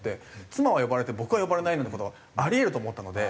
妻は呼ばれて僕は呼ばれないなんていう事があり得ると思ったので。